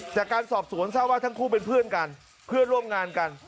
จากการสอบสวนทราบว่าทั้งคู่เป็นเพื่อนกันเพื่อนร่วมงานกัน